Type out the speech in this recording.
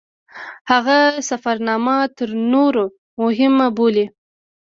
هغه سفرنامه تر نورو مهمه بولي.